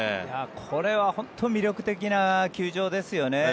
これは本当に魅力的な球場ですよね。